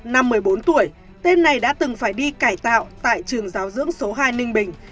năm một mươi bốn tuổi tên này đã từng phải đi cải tạo tại trường giáo dưỡng số hai ninh bình